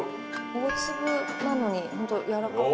大粒なのにホントやわらかくて。